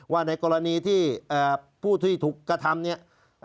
ในกรณีที่ผู้ที่ถูกกระทำเนี่ย